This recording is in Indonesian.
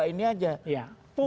publik nggak didengar